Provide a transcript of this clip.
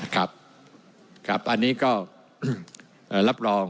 ครับอันนี้ก็